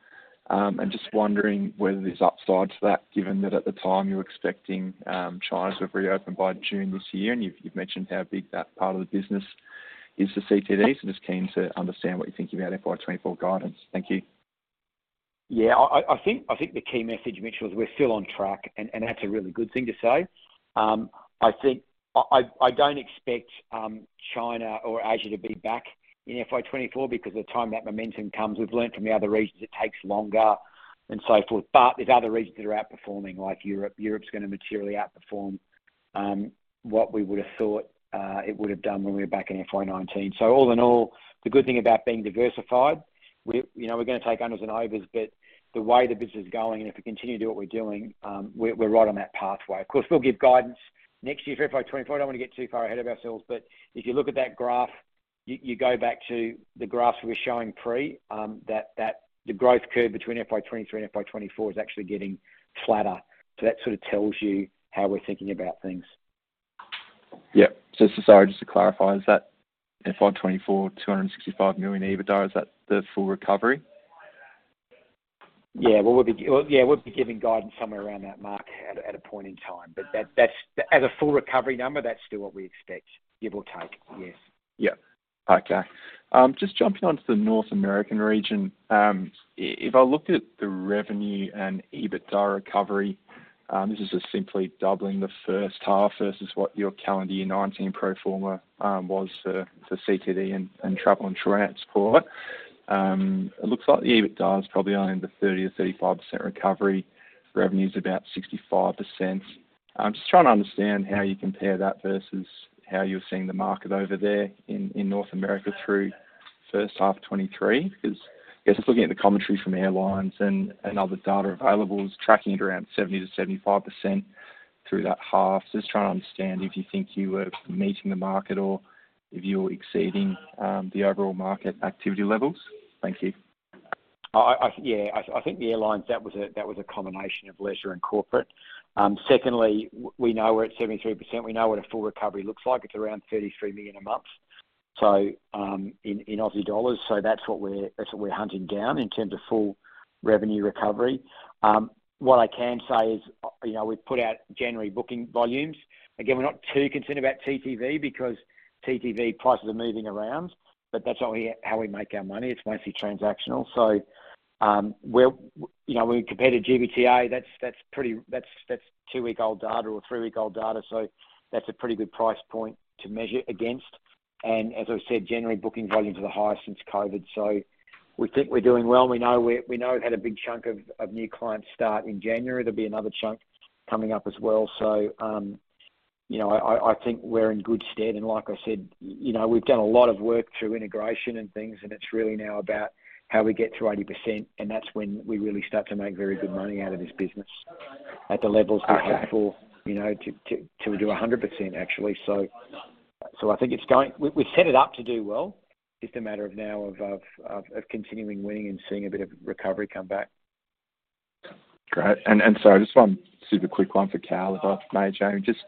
and just wondering whether there's upside to that, given that at the time you're expecting China to have reopened by June this year, and you've mentioned how big that part of the business is to CTD. Just keen to understand what you're thinking about FY 2024 guidance. Thank you. Yeah. I think the key message, Mitchell, is we're still on track and that's a really good thing to say. I think I don't expect China or Asia to be back in FY 2024 because the time that momentum comes, we've learned from the other regions it takes longer and so forth. There's other regions that are outperforming, like Europe. Europe's gonna materially outperform what we would have thought it would have done when we were back in FY 2019. All in all, the good thing about being diversified, we're, you know, we're gonna take unders and overs, but the way the business is going, and if we continue to do what we're doing, we're right on that pathway. Of course, we'll give guidance next year for FY 2024. I don't want to get too far ahead of ourselves, but if you look at that graph, you go back to the graphs we're showing pre, that the growth curve between FY 2023 and FY 2024 is actually getting flatter. That sort of tells you how we're thinking about things. Yep. sorry, just to clarify, is that FY 2024 265 million EBITDA, is that the full recovery? Yeah. Well, yeah, we'll be giving guidance somewhere around that mark at a point in time. That's as a full recovery number, that's still what we expect it will take. Yes. Yep. Okay. Just jumping onto the North American region. If I looked at the revenue and EBITDA recovery, this is just simply doubling the first half versus what your calendar year 2019 pro forma was for CTD and Travel and Transport. It looks like the EBITDA is probably only in the 30%-35% recovery. Revenue's about 65%. I'm just trying to understand how you compare that versus how you're seeing the market over there in North America through 1H 2023. I guess just looking at the commentary from airlines and other data available is tracking at around 70%-75% through that half. Just trying to understand if you think you are meeting the market or if you're exceeding the overall market activity levels. Thank you. Yeah. I think the airlines, that was a combination of leisure and corporate. Secondly, we know we're at 73%. We know what a full recovery looks like. It's around 33 million a month. In Australian dollars. That's what we're hunting down in terms of full revenue recovery. What I can say is, you know, we've put out January booking volumes. Again, we're not too concerned about TTV because TTV prices are moving around. That's not how we make our money. It's mostly transactional. We're, you know, when we compare to GBTA, that's pretty, that's two-week-old data or three-week-old data. That's a pretty good price point to measure against. As I said, January booking volumes are the highest since COVID. We think we're doing well. We know we had a big chunk of new clients start in January. There'll be another chunk coming up as well. You know, I think we're in good stead. Like I said, you know, we've done a lot of work through integration and things, and it's really now about how we get to 80%, and that's when we really start to make very good money out of this business at the levels we hope for. Okay. You know, to do 100% actually. We've set it up to do well. It's a matter of now of continuing winning and seeing a bit of recovery come back. Great. Just one super quick one for Cale, if I may, Jamie. Just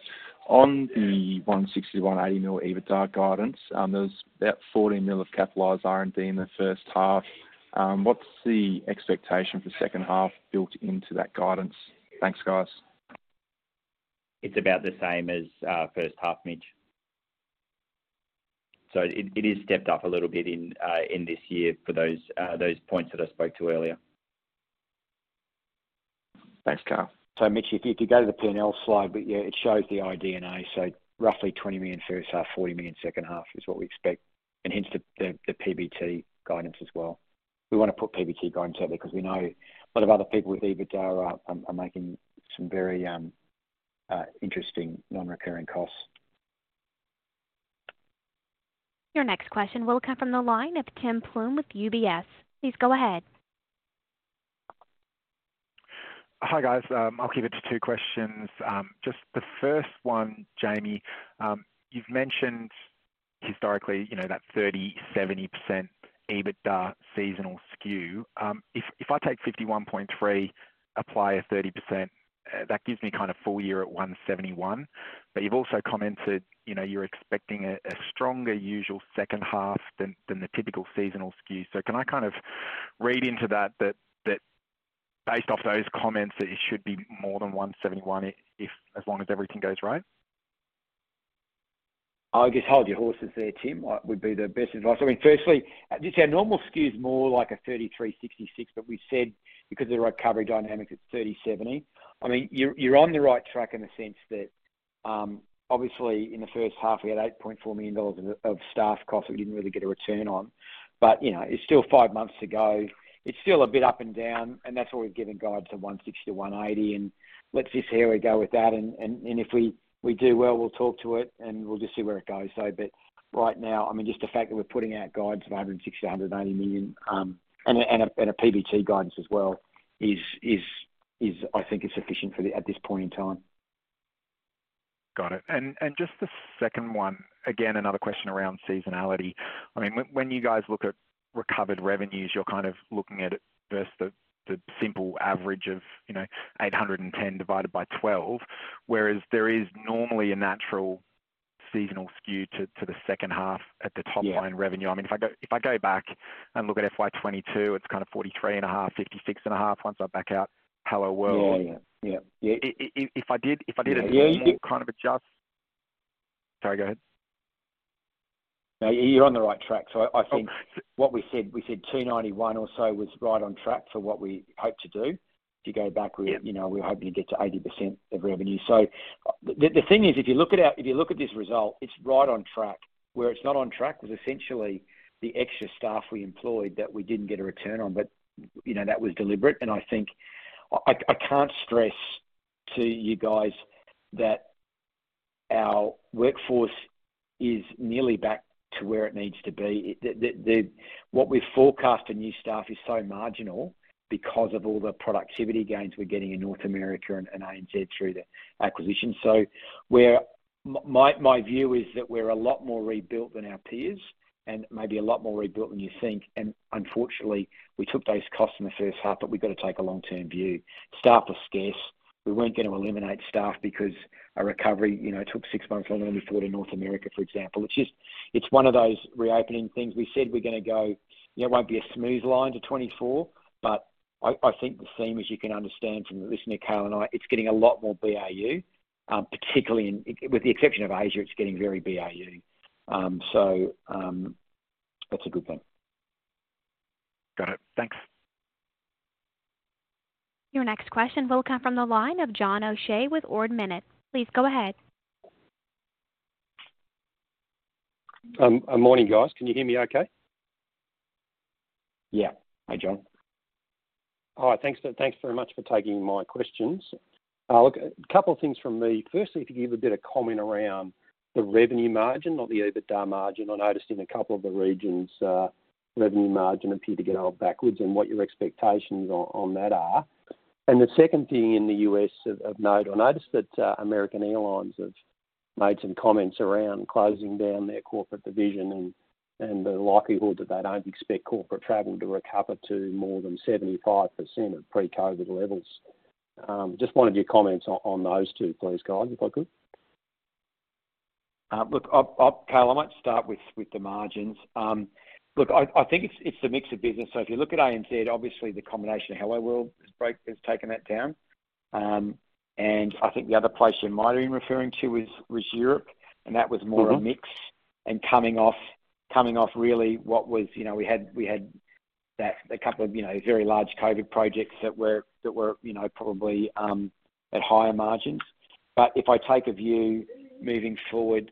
on the 160 million-180 million EBITDA guidance, there's about 40 million of capitalized R&D in the first half. What's the expectation for second half built into that guidance? Thanks, guys. It's about the same as our first half, Mitch. It is stepped up a little bit in in this year for those those points that I spoke to earlier. Thanks, Cale. Mitch, if you go to the P&L slide, yeah, it shows the EBITDA. Roughly 20 million first half, 40 million second half is what we expect, and hence the PBT guidance as well. We wanna put PBT guidance out there 'cause we know a lot of other people with EBITDA are making some very interesting non-recurring costs. Your next question will come from the line of Tim Plumbe with UBS. Please go ahead. Hi, guys. I'll keep it to two questions. Just the first one, Jamie. You've mentioned historically, you know, that 30%, 70% EBITDA seasonal skew. If I take 51.3, apply a 30%, that gives me kind of full year at 171. You've also commented, you know, you're expecting a stronger usual second half than the typical seasonal skew. Can I kind of read into that based off those comments, that it should be more than 171 if as long as everything goes right? I'll just hold your horses there, Tim. What would be the best advice? I mean, firstly, just our normal skew is more like a 33/66, but we said because of the recovery dynamic, it's 30/70. I mean, you're on the right track in the sense that, obviously in the first half we had 8.4 million dollars of staff costs that we didn't really get a return on. You know, it's still five months to go. It's still a bit up and down, that's why we've given guides of 160 million-180 million. Let's just see how we go with that and if we do well, we'll talk to it and we'll just see where it goes. Right now, I mean, just the fact that we're putting out guides of 160 million-180 million, and a PBT guidance as well is I think is sufficient for at this point in time. Got it. Just the second one, again, another question around seasonality. I mean, when you guys look at recovered revenues, you're kind of looking at it versus the simple average of, you know, 810 divided by 12, whereas there is normally a natural seasonal skew to the second half. Yeah. Top line revenue. I mean, if I go back and look at FY 2022, it's kind of 43.5, 56.5 once I back out Helloworld. Yeah, yeah. Yeah. If I did. Yeah, you did. Sorry, go ahead. No, you're on the right track. I think- Oh, great. What we said, we said 291 or so was right on track for what we hoped to do. If you go back. Yeah. You know, we're hoping to get to 80% of revenue. The thing is, if you look at this result, it's right on track. Where it's not on track was essentially the extra staff we employed that we didn't get a return on. You know, that was deliberate and I think... I can't stress to you guys that our workforce is nearly back to where it needs to be. What we forecast in new staff is so marginal because of all the productivity gains we're getting in North America and ANZ through the acquisition. My view is that we're a lot more rebuilt than our peers and maybe a lot more rebuilt than you think. Unfortunately, we took those costs in the first half, but we've got to take a long-term view. Staff were scarce. We weren't going to eliminate staff because a recovery, you know, took six Months longer than we thought in North America, for example. It's just, it's one of those reopening things. We said we're gonna go, you know, it won't be a smooth line to 2024. I think the theme, as you can understand from listening to Carl and I, it's getting a lot more BAU, particularly with the exception of Asia, it's getting very BAU. That's a good thing. Got it. Thanks. Your next question will come from the line of John O'Shea with Ord Minnett. Please go ahead. Morning, guys. Can you hear me okay? Yeah. Hi, John. All right. Thanks very much for taking my questions. Look, a couple of things from me. Firstly, if you could give a bit of comment around the revenue margin or the EBITDA margin. I noticed in a couple of the regions, revenue margin appeared to get held backwards and what your expectations on that are. The second thing in the U.S. of note, I noticed that American Airlines have made some comments around closing down their corporate division and the likelihood that they don't expect corporate travel to recover to more than 75% of pre-COVID levels. Just wanted your comments on those two, please, guys, if I could. Look, I'll Ca, I might start with the margins. Look, I think it's a mix of business. If you look at ANZ, obviously the combination of Helloworld has taken that down. I think the other place you might have been referring to is, was Europe, and that was more. Mm-hmm. A mix coming off really what was, you know, we had that, a couple of, you know, very large COVID projects that were, you know, probably at higher margins. If I take a view moving forward,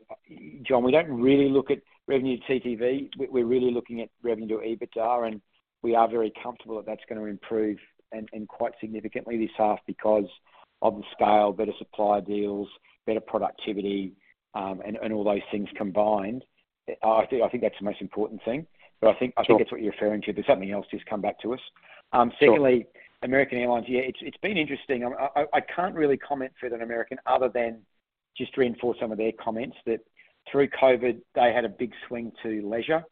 John, we don't really look at revenue TTV. We're really looking at revenue EBITDA, and we are very comfortable that that's gonna improve and quite significantly this half because of the scale, better supplier deals, better productivity, and all those things combined. I think that's the most important thing. I think that's what you're referring to. Something else, just come back to us. Sure. Secondly, American Airlines. It's been interesting. I can't really comment further than American other than just to reinforce some of their comments that through COVID, they had a big swing to leisure,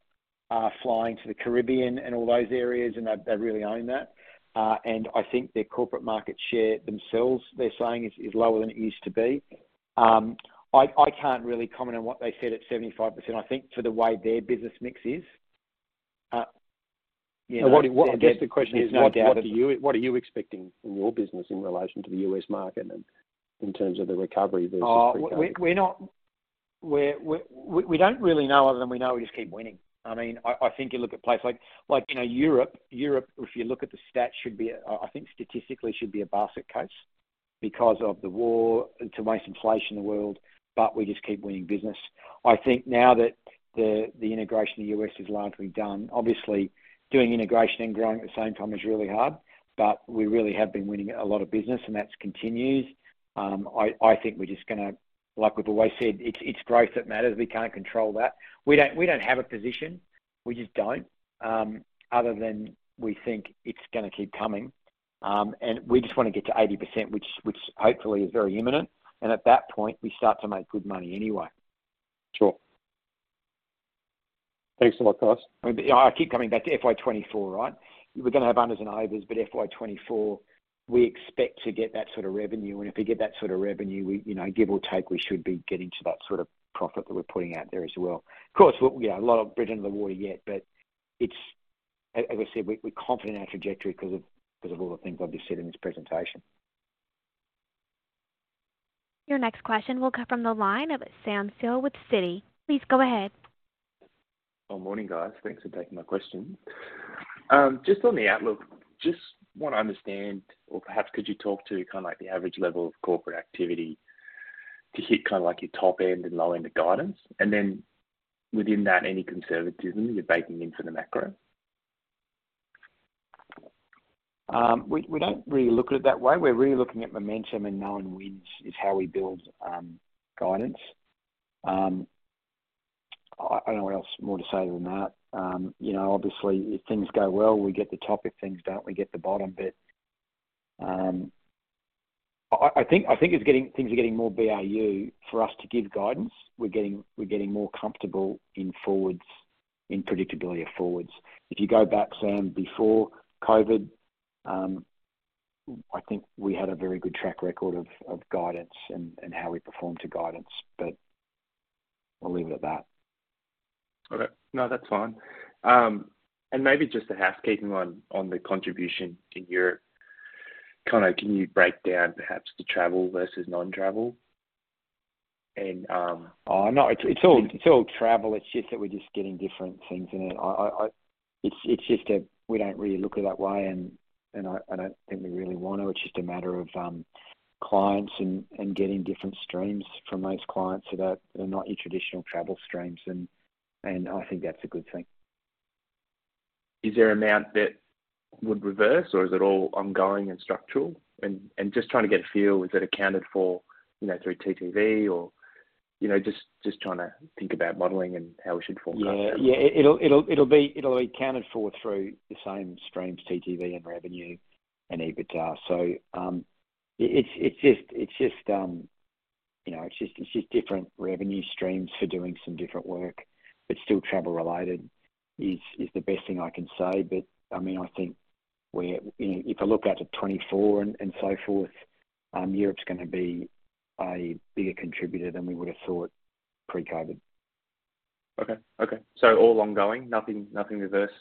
flying to the Caribbean and all those areas, and they really own that. I think their corporate market share themselves, they're saying is lower than it used to be. I can't really comment on what they said at 75%. I think for the way their business mix is, you know, their I guess the question is what are you expecting from your business in relation to the U.S. market and in terms of the recovery versus pre-COVID? We don't really know other than we know we just keep winning. I mean, I think you look at places like, you know, Europe. Europe, if you look at the stats, should be, I think statistically should be a basket case because of the war, it's the most inflation in the world, but we just keep winning business. I think now that the integration of the U.S. is largely done, obviously doing integration and growing at the same time is really hard, but we really have been winning a lot of business and that's continued. I think we're just gonna, like we've always said, it's growth that matters. We can't control that. We don't have a position. We just don't, other than we think it's gonna keep coming, and we just wanna get to 80%, which hopefully is very imminent. At that point, we start to make good money anyway. Sure. Thanks a lot, guys. I mean, I keep coming back to FY 2024, right? We're gonna have unders and overs, FY 2024, we expect to get that sort of revenue. If we get that sort of revenue, we, you know, give or take, we should be getting to that sort of profit that we're putting out there as well. Of course, yeah, a lot of bridge under the water yet, it's... As we said, we're confident in our trajectory 'cause of all the things I've just said in this presentation. Your next question will come from the line of Samuel Seow with Citi. Please go ahead. Morning, guys. Thanks for taking my question. Just on the outlook, just wanna understand, or perhaps could you talk to kinda like the average level of corporate activity to hit kinda like your top end and low end of guidance? Within that, any conservatism you're baking in for the macro? We don't really look at it that way. We're really looking at momentum and knowing wins is how we build guidance. I don't know what else more to say than that. You know, obviously if things go well, we get the top, if things don't, we get the bottom. I think things are getting more BAU for us to give guidance. We're getting more comfortable in predictability of forwards. If you go back, Sam, before COVID, I think we had a very good track record of guidance and how we performed to guidance. I'll leave it at that. Okay. No, that's fine. Maybe just the half keeping on the contribution in Europe. Kinda can you break down perhaps the travel versus non-travel? Oh, no, it's all travel. It's just that we're just getting different things in it. It's just that we don't really look at it that way and I don't think we really wanna. It's just a matter of clients and getting different streams from those clients so that they're not your traditional travel streams and I think that's a good thing. Is there amount that would reverse or is it all ongoing and structural? Just trying to get a feel, is it accounted for, you know, through TTV or, you know, just trying to think about modeling and how we should forecast travel? Yeah. Yeah. It'll be accounted for through the same streams, TTV and revenue and EBITDA. It's just, you know, it's just different revenue streams for doing some different work, but still travel related is the best thing I can say. I mean, I think you know, if I look out to 2024 and so forth, Europe's gonna be a bigger contributor than we would've thought pre-COVID. Okay. Okay. All ongoing, nothing reversed?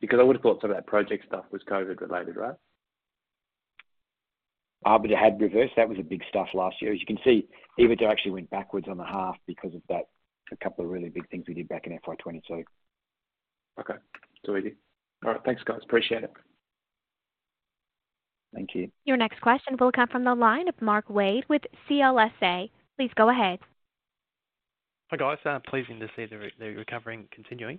Because I would've thought some of that project stuff was COVID related, right? It had reversed. That was a big stuff last year. You can see, EBITDA actually went backwards on the half because of that, a couple of really big things we did back in FY 2022. Okay. Too easy. All right. Thanks, guys. Appreciate it. Thank you. Your next question will come from the line of Mark Wade with CLSA. Please go ahead. Hi, guys. Pleasing to see the recovery continuing.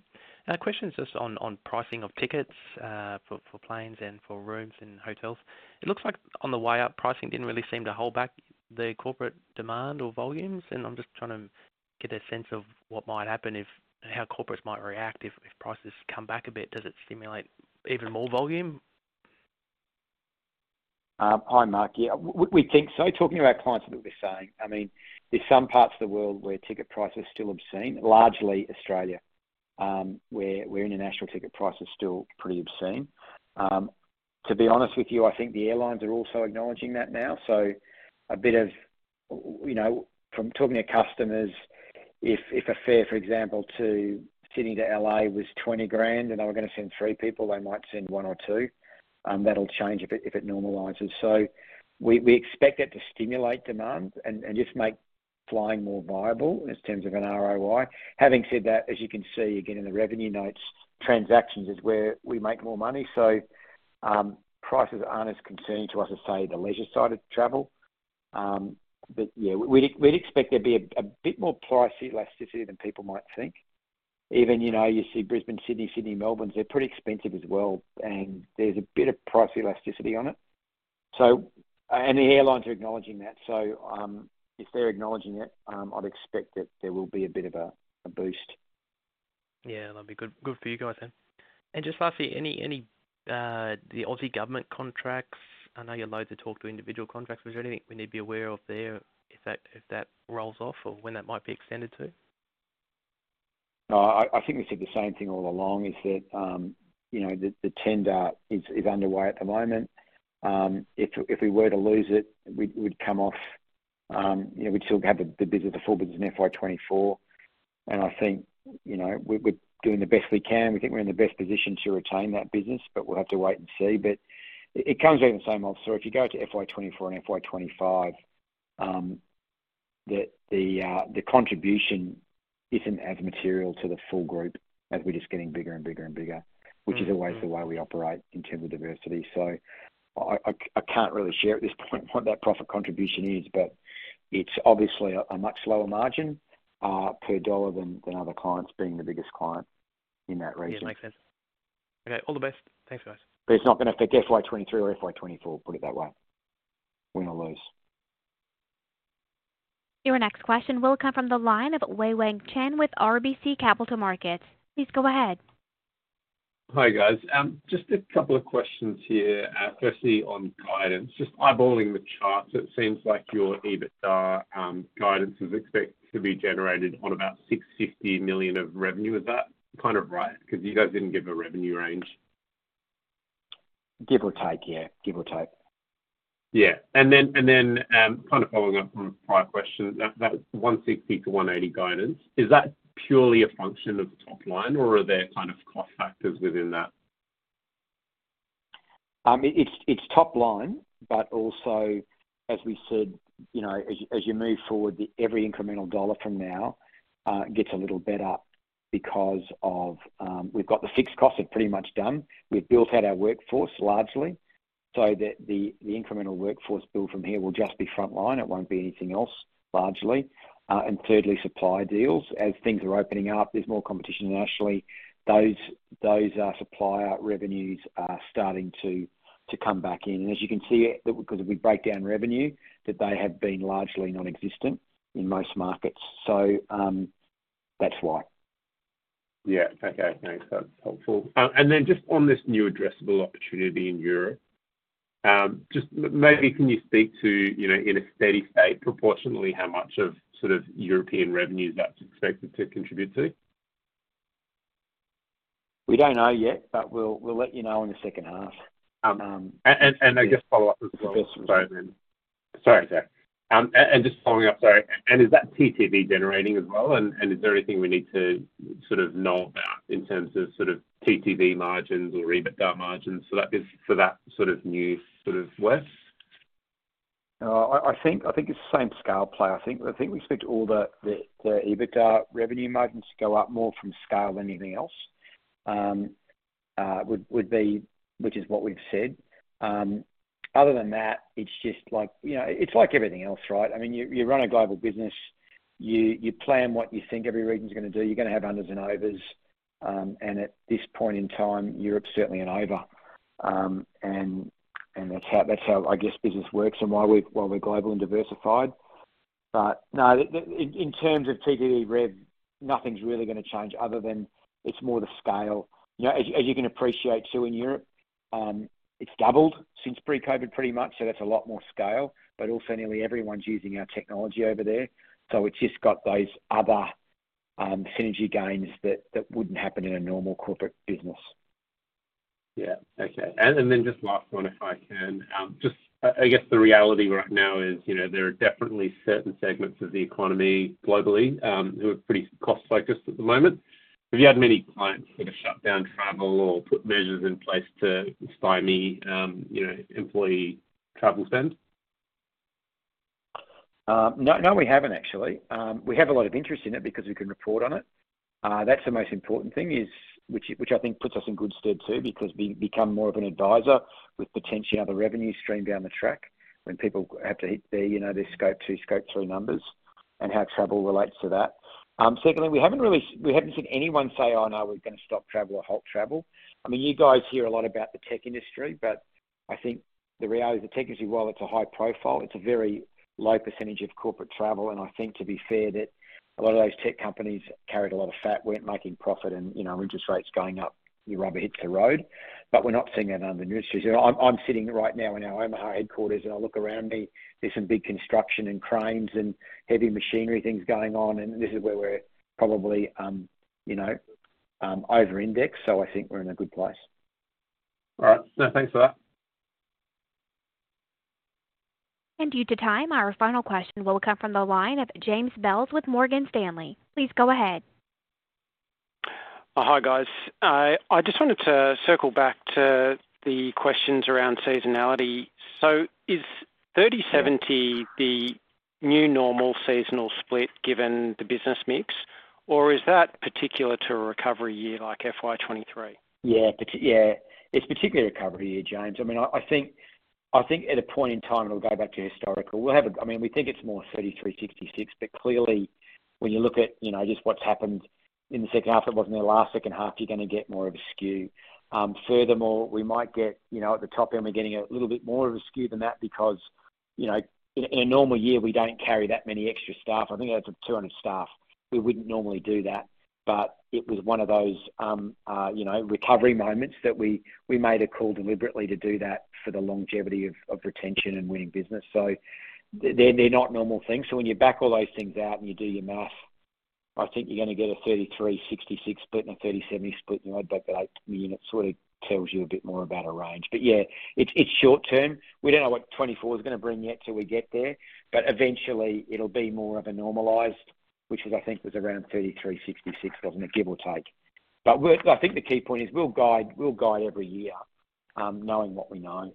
Question's just on pricing of tickets for planes and for rooms in hotels. It looks like on the way up, pricing didn't really seem to hold back the corporate demand or volumes. I'm just trying to get a sense of what might happen and how corporates might react if prices come back a bit. Does it stimulate even more volume? Hi, Mark. Yeah, we think so. Talking to our clients, they'll be saying, I mean, there's some parts of the world where ticket prices are still obscene, largely Australia, where international ticket prices are still pretty obscene. To be honest with you, I think the airlines are also acknowledging that now. A bit of, you know, from talking to customers, if a fare, for example, to Sydney to L.A. was 20,000 and they were gonna send three people, they might send one or two, that'll change if it normalizes. We expect it to stimulate demand and just make flying more viable in terms of an ROI. Having said that, as you can see again in the revenue notes, transactions is where we make more money. Prices aren't as concerning to us as, say, the leisure side of travel. Yeah, we'd expect there'd be a bit more price elasticity than people might think. Even, you know, you see Brisbane, Sydney, Melbourne, they're pretty expensive as well, and there's a bit of price elasticity on it. The airlines are acknowledging that. If they're acknowledging it, I'd expect that there will be a bit of a boost. Yeah, that'd be good for you guys then. Just lastly, any the Aussie Government contracts, I know you're loathe to talk to individual contracts, but is there anything we need to be aware of there if that rolls off or when that might be extended to? No, I think we said the same thing all along is that, you know, the tender is underway at the moment. If we were to lose it, we'd come off, you know, we'd still have the business, the full business in FY 2024. I think, you know, we're doing the best we can. We think we're in the best position to retain that business, but we'll have to wait and see. It comes out in the same officer. If you go to FY 2024 and FY 2025, the contribution isn't as material to the full group as we're just getting bigger and bigger and bigger. Mm-hmm. Which is always the way we operate in terms of diversity. I can't really share at this point what that profit contribution is, but it's obviously a much lower margin per dollar than other clients being the biggest client in that region. Yeah, makes sense. Okay. All the best. Thanks, guys. it's not gonna affect FY 2023 or FY 2024, put it that way. Win or lose. Your next question will come from the line of Wei-Weng Chen with RBC Capital Markets. Please go ahead. Hi, guys. Just a couple of questions here. Firstly, on guidance. Just eyeballing the charts, it seems like your EBITDA, guidance is expected to be generated on about 650 million of revenue. Is that kind of right? You guys didn't give a revenue range. Give or take. Yeah. Give or take. Yeah. Following up from a prior question, that 160-180 guidance, is that purely a function of the top line or are there kind of cost factors within that? It's top line, but also as we said, you know, as you move forward, every incremental dollar from now, gets a little better because of, we've got the fixed costs are pretty much done. We've built out our workforce largely, so that the incremental workforce build from here will just be frontline. It won't be anything else, largely. Thirdly, supplier deals. As things are opening up, there's more competition nationally. Those supplier revenues are starting to come back in. As you can see, because if we break down revenue, that they have been largely nonexistent in most markets. That's why. Yeah. Okay. Thanks. That's helpful. Just on this new addressable opportunity in Europe, maybe can you speak to, you know, in a steady state, proportionally, how much of sort of European revenue that's expected to contribute to? We don't know yet. We'll let you know in the second half. I guess follow up as well. Yes. Sorry. Just following up, sorry. Is that TTV generating as well? Is there anything we need to sort of know about in terms of sort of TTV margins or EBITDA margins for that sort of new sort of work? No, I think it's the same scale play. I think we expect all the EBITDA revenue margins to go up more from scale than anything else, which is what we've said. Other than that, it's just like, you know, it's like everything else, right? I mean, you run a global business, you plan what you think every region's gonna do. You're gonna have unders and overs. At this point in time, Europe's certainly an over. That's how, I guess, business works and why we're global and diversified. No, in terms of TTV rev, nothing's really gonna change other than it's more the scale. You know, as you can appreciate, too, in Europe, it's doubled since pre-COVID, pretty much, so that's a lot more scale. Nearly everyone's using our technology over there. It's just got those other, synergy gains that wouldn't happen in a normal corporate business. Yeah. Okay. Then just last one, if I can. Just I guess the reality right now is, you know, there are definitely certain segments of the economy globally, who are pretty cost-focused at the moment. Have you had many clients sort of shut down travel or put measures in place to stymie, you know, employee travel spend? No, no we haven't, actually. We have a lot of interest in it because we can report on it. That's the most important thing which I think puts us in good stead, too, because we become more of an advisor with potentially another revenue stream down the track when people have to hit their, you know, their Scope two, Scope three numbers and how travel relates to that. Secondly, we haven't seen anyone say, "Oh, no, we're gonna stop travel or halt travel." I mean, you guys hear a lot about the tech industry, but I think the reality of the tech industry, while it's a high profile, it's a very low percentage of corporate travel. I think, to be fair, that a lot of those tech companies carried a lot of fat weren't making profit and, you know, interest rates going up, the rubber hits the road. We're not seeing that in other industries. You know, I'm sitting right now in our Omaha headquarters, and I look around me, there's some big construction and cranes and heavy machinery things going on, and this is where we're probably, you know, over-indexed, so I think we're in a good place. All right. No, thanks for that. Due to time, our final question will come from the line of James Bell with Morgan Stanley. Please go ahead. Hi, guys. I just wanted to circle back to the questions around seasonality. Is 30/70 the new normal seasonal split given the business mix, or is that particular to a recovery year like FY 2023? Yeah. Yeah. It's particular to recovery year, James. I mean, I think at a point in time it'll go back to historical. I mean, we think it's more 33/66, but clearly, when you look at, you know, just what's happened in the second half, it wasn't their last second half, you're gonna get more of a skew. Furthermore, we might get, you know, at the top end, we're getting a little bit more of a skew than that because, you know, in a normal year, we don't carry that many extra staff. I think that's 200 staff. We wouldn't normally do that. It was one of those, you know, recovery moments that we made a call deliberately to do that for the longevity of retention and winning business. They're not normal things. When you back all those things out and you do your math, I think you're gonna get a 33/66 split and a 30/70 split. I'd bet that, I mean, it sort of tells you a bit more about our range. Yeah, it's short term. We don't know what 2024 is gonna bring yet till we get there. Eventually it'll be more of a normalized, which is I think was around 33/66, wasn't it? Give or take. I think the key point is we'll guide every year, knowing what we know.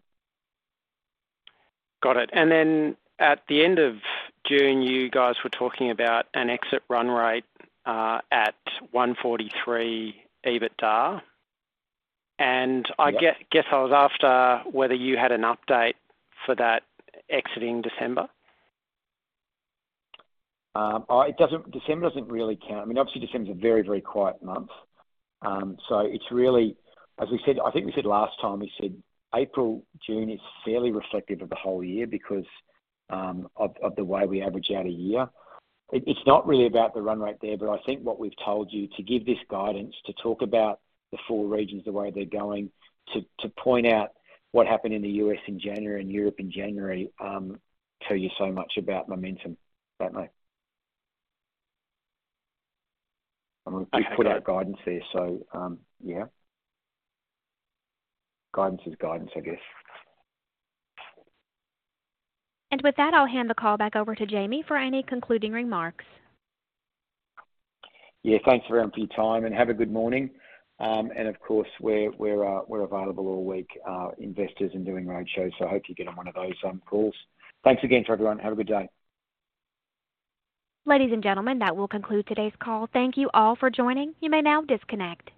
Got it. Then at the end of June, you guys were talking about an exit run rate, at 143 EBITDA. Yep. Guess I was after whether you had an update for that exiting December. Oh, December doesn't really count. I mean, obviously December is a very, very quiet month. It's really, as we said, I think we said last time, we said April, June is fairly reflective of the whole year because of the way we average out a year. It's not really about the run rate there, I think what we've told you to give this guidance, to talk about the four regions, the way they're going to point out what happened in the U.S. in January and Europe in January, tell you so much about momentum, don't they? Okay. We've put out guidance there, yeah. Guidance is guidance, I guess. With that, I'll hand the call back over to Jamie for any concluding remarks. Thanks everyone for your time, and have a good morning. Of course, we're available all week, investors and doing roadshows, so I hope you get on one of those calls. Thanks again to everyone. Have a good day. Ladies and gentlemen, that will conclude today's call. Thank you all for joining. You may now disconnect.